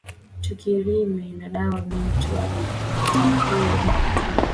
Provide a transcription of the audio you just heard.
Tuki rime na dawa bintu abitakuya butamu